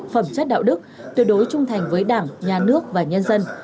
phẩm chất đạo đức tuyệt đối trung thành với đảng nhà nước và nhân dân